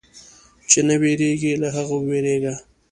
چې نه وېرېږي، له هغه وېرېږه.